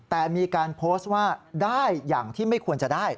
แต่มีการโพสต์ว่าได้อย่างที่ไม่ควรจะได้